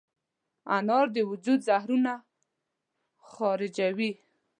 انار د وجود زهرونه خارجوي.